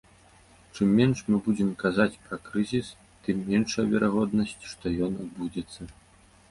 Чым менш мы будзем казаць пра крызіс, тым меншая верагоднасць, што ён адбудзецца.